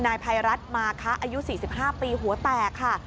นายภัยรัฐมาคะอายุ๔๕ปีหัวแตกค่ะ